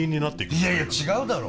いやいや違うだろ！